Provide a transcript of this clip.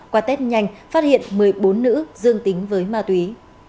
qua test nhanh phát hiện một mươi bốn nữ dương tính với ma túy